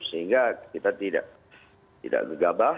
sehingga kita tidak gegabah